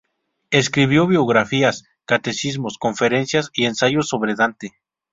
Escribió biografías, catecismos, conferencias y ensayos sobre Dante.